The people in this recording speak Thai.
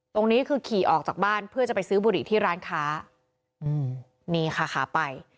ตรงนี้คือขี่ออกจากบ้านเพื่อจะไปซื้อบุหรี่ที่ร้านค้าอืมนี่ค่ะขาไป